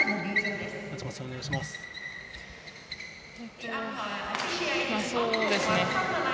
松本さん、お願いします。